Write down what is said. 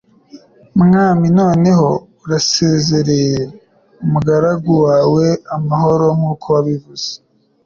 Mwami, noneho urasezerere umugaragu wawe amahoro, nk'uko wabivuze: